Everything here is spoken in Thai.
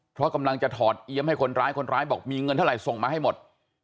เพราะกำลังจะถอดเอี๊ยมให้คนร้ายคนร้ายบอกมีเงินเท่าไหร่ส่งมาให้หมด